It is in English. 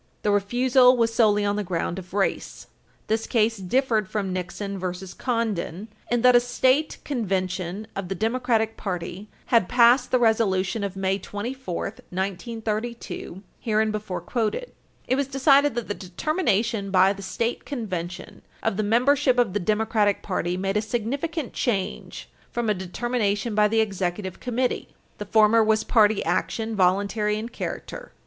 The refusal was solely on the ground of race. This case differed from Nixon v. Condon, supra, in that a state convention of the Democratic party had passed the resolution of May 24, 1932, hereinbefore quoted. It was decided that the determination by the state convention of the membership of the Democratic party made a significant change from a determination by the Executive Committee. The former was party action, voluntary in character.